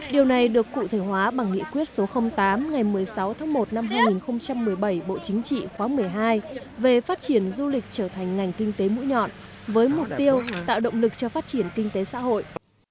điều này được cụ thể hóa bằng nghị quyết số tám ngày một mươi sáu tháng một năm hai nghìn một mươi bảy bộ chính trị khóa một mươi hai về phát triển du lịch trở thành ngành kinh tế mũi nhọn với mục tiêu tạo động lực cho phát triển kinh tế xã hội